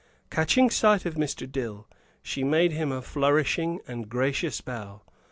Catching sight of Mr. Dill, she made him a flourishing and gracious bow.